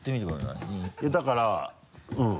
いやだからうん。